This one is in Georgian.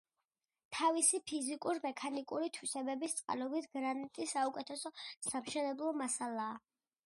თავისი ფიზიკურ-მექანიკური თვისებების წყალობით გრანიტი საუკეთესო სამშენებლო მასალაა.